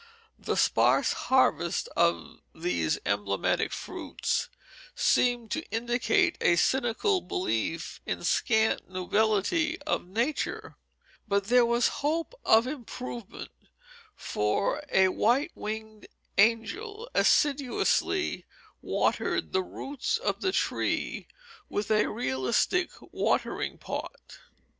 The sparse harvest of these emblematic fruits seemed to indicate a cynical belief in scant nobility of nature; but there was hope of improvement, for a white winged angel assiduously watered the roots of the tree with a realistic watering pot.